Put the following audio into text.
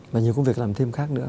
và nhiều công việc làm thêm khác nữa